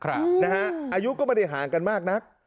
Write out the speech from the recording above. อายุก็ไม่ได้ห่างกันมากนัก